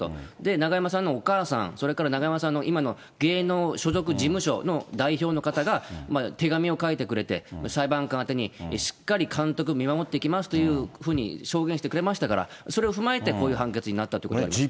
永山さんのお母さん、永山さんの今の芸能所属事務所の代表の方が、手紙を書いてくれて、裁判官宛てに、しっかり監督、見守っていきますというふうに証言してくれましたから、それを踏まえてこういう判決になったということだと思います。